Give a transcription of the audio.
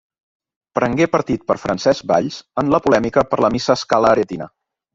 Prengué partit per Francesc Valls en la polèmica per la Missa Scala Aretina.